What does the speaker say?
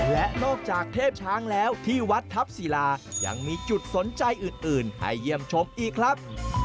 และนอกจากเทพช้างแล้วที่วัดทัพศิลายังมีจุดสนใจอื่นให้เยี่ยมชมอีกครับ